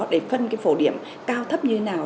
để phân cái phổ điểm cao thấp như thế nào